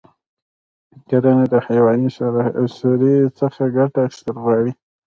کرنه د حیواني سرې څخه ګټه اخیستل غواړي.